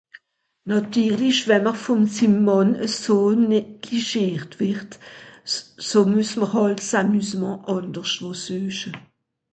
Nàtirlich, wenn m’r vùn sim Mànn eso neglischiert wùrd, ze muess m’r hàlt ’s Amusement àndersch wo sueche.